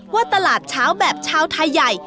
ว่าตลาดเช้าแบบชาวไทยใหญ่